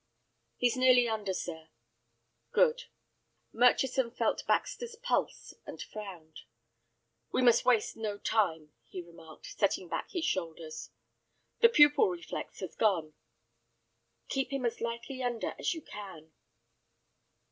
"He's nearly under, sir." "Good." Murchison felt Baxter's pulse, and frowned. "We must waste no time," he remarked, setting back his shoulders. "The pupil reflex has gone." "Keep him as lightly under as you can."